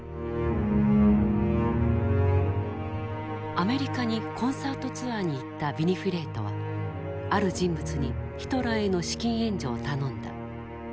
アメリカにコンサートツアーに行ったヴィニフレートはある人物にヒトラーへの資金援助を頼んだ。